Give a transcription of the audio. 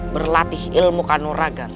berlatih ilmu kanuragan